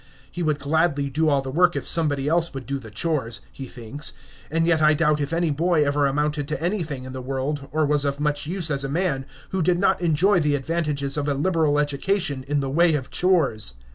He would gladly do all the work if somebody else would do the chores, he thinks, and yet I doubt if any boy ever amounted to anything in the world, or was of much use as a man, who did not enjoy the advantages of a liberal education in the way of chores.